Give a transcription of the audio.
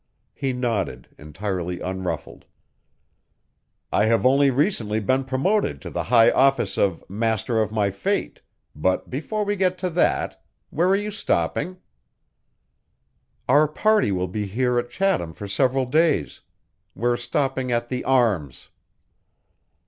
He nodded, entirely unruffled. "I have only recently been promoted to the high office of 'Master of my fate' but before we get to that where are you stopping?" "Our party will be here at Chatham for several days. We're stopping at The Arms."